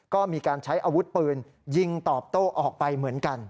ก็มีการใช้อาวุธปืนยิงตอบโต้ออกไปเหมือนกัน